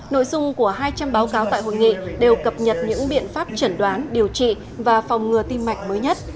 nội dung của hai trăm linh báo cáo tại hội nghị đều cập nhật những biện pháp chẩn đoán điều trị và phòng ngừa tim mạch mới nhất